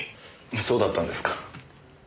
そうだったんですか。